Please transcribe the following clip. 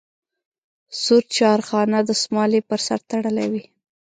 سور چارخانه دستمال یې په سر تړلی وي.